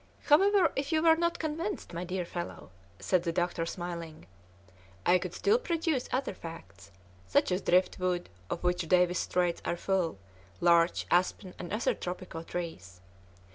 "However, if you were not convinced, my dear fellow," said the doctor, smiling, "I could still produce other facts, such as drift wood, of which Davis's Straits are full, larch, aspen, and other tropical trees.